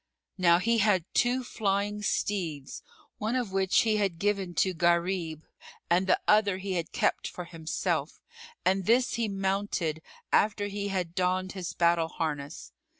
Now he had two flying steeds, one of which he had given to Gharib and the other he had kept for himself; and this he mounted after he had donned his battle harness.